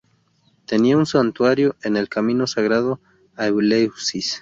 Tenía un santuario en el camino sagrado a Eleusis.